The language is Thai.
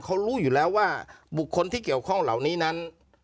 เขารู้อยู่แล้วว่าบุคคลที่เกี่ยวข้องเหล่านี้นั้น